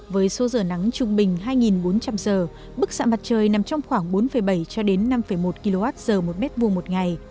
với số giờ nắng trung bình hai bốn trăm linh giờ bức sạm mặt trời nằm trong khoảng bốn bảy năm một kwh một mét vuông một ngày